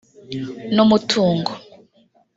n’umutungo